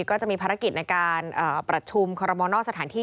ก็จะมีภารกิจในการประชุมคอรมอลนอกสถานที่